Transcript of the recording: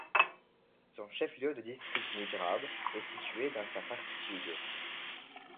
Son chef-lieu de district Nijrab est situé dans sa partie sud.